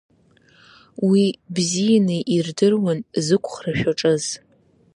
Уи бзианы ирдыруан зықәхра шәаҿыз.